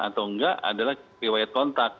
atau enggak adalah riwayat kontak